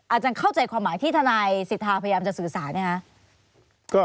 อาจารย์เข้าใจความหมายที่ทนายสิทธาพยายามจะสื่อสารไหมคะ